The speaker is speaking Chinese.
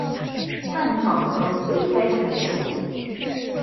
曼庞滕为该县的首府。